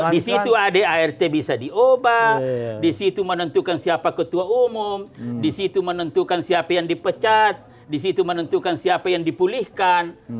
di situ adart bisa diubah disitu menentukan siapa ketua umum disitu menentukan siapa yang dipecat di situ menentukan siapa yang dipulihkan